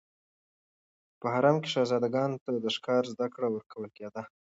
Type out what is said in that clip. په حرم کې شهزادګانو ته د ښکار زده کړه ورکول کېده.